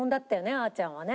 あーちゃんはね。